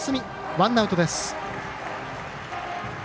ワンアウトです。